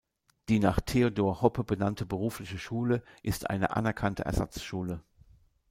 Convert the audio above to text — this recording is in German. Die nach Theodor Hoppe benannte Berufliche Schule ist eine anerkannte Ersatzschule.